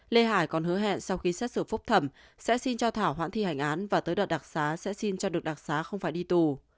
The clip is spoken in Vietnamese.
lê hải còn hứa hẹn sau khi xét xử phúc thẩm sẽ xin cho thảo hoãn thi hành án và tới đợt đặc xá sẽ xin cho được đặc xá không phải đi tù